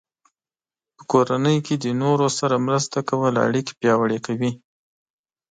په کورنۍ کې د نورو سره مرسته کول اړیکې پیاوړې کوي.